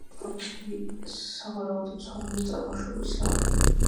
სახელწოდება ქაქუთი სავარაუდოდ სვანური წარმოშობისაა.